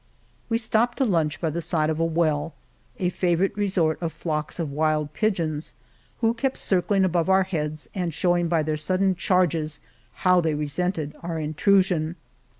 We stopped to lunch by the side of a well, a favorite resort of flocks of wild pigeons who kept circling above our heads and showing by their sudden charges how they resented our intrusion.